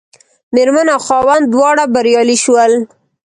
مېرمن او خاوند دواړه بریالي شول.